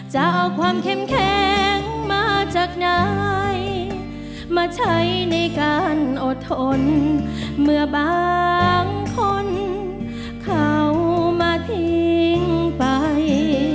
จะเอาความเข้มแข็งมาจากไหนมาใช้ในการอดทนเมื่อบางคนเขามาทิ้งไป